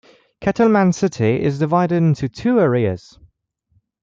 Kettleman City is divided into two areas.